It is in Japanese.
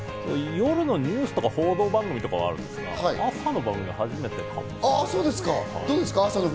夜のニュースとか報道番組はあるんですが、朝の番組は初めてかも。